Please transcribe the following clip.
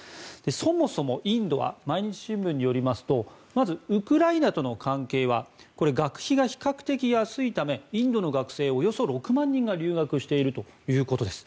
そもそもインドは毎日新聞によりますとまずウクライナとの関係は学費が比較的、安いためインドの学生、およそ６万人が留学しているということです。